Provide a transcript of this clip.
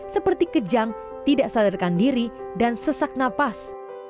seperti kejang tidak sadarkan diri dan sesak napas